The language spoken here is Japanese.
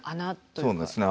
そうですね。